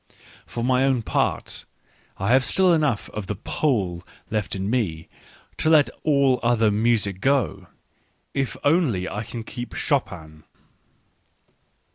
For my own part, I have still enough of the Pole left in me to let all other music go, if only I can keep Chopin.